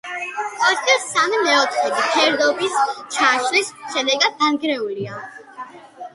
კოშკის სამი მეოთხედი, ფერდობის ჩაშლის შედეგად დანგრეულია.